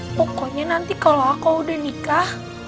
pokoknya nanti kalau aku udah nikah